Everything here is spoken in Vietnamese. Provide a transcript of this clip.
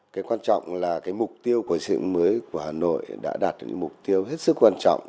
cái quan trọng là cái mục tiêu của xây dựng mới của hà nội đã đạt được những mục tiêu hết sức quan trọng